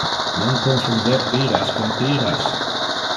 Non confunder piras con pyras!